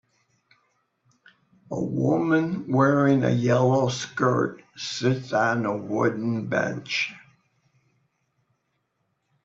A woman wearing a yellow shirt sits on a wooden bench.